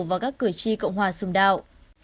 và các cử tri cộng hòa xung đạo